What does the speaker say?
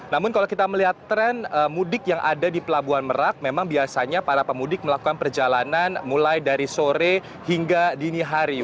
namun kalau kita melihat tren mudik yang ada di pelabuhan merak memang biasanya para pemudik melakukan perjalanan mulai dari sore hingga dini hari